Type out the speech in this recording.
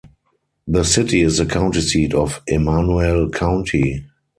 The city is the county seat of Emanuel County.